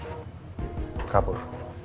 kenapa dia kabur